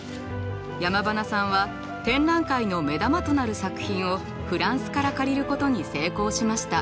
山塙さんは展覧会の目玉となる作品をフランスから借りることに成功しました。